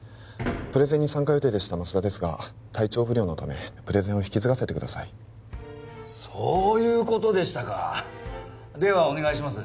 プレゼンに参加予定でした舛田ですが体調不良のためプレゼンを引き継がせてくださいそういうことでしたかではお願いします